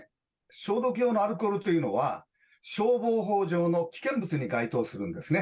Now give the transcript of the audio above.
消毒用のアルコールというのは、消防法上の危険物に該当するんですね。